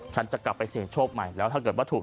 ฉันจะกลับไปเสี่ยงโชคใหม่แล้วถ้าเกิดว่าถูก